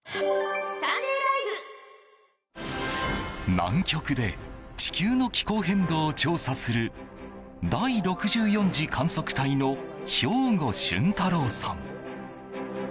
南極で地球の気候変動を調査する第６４次観測隊の瓢子俊太郎さん。